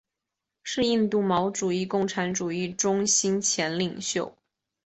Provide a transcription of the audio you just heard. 是印度毛主义共产主义中心前领袖。